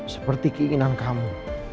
seperti keinginan kamu